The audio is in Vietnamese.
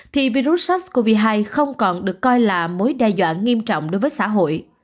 thì virus sars cov hai không còn được coi là mối đe dọa nghiêm trọng đối với xã hội